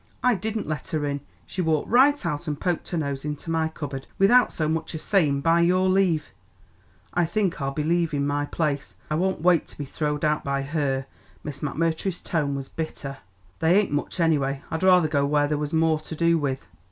"I didn't let her in, she walked right out and poked her nose into me cupboard without so much as sayin' by your leave. I think I'll be leavin' my place; I won't wait t' be trowed out by her." Miss McMurtry's tone was bitter. "They ain't much anyway. I'd rather go where there was more to do with."